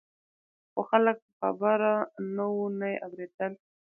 خو خلک په خبره نه وو نه یې اورېدل.